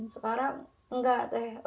kan kasian ya teh